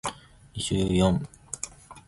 Ngabe ungathanda ukwenza okuhlukile kulo nyaka?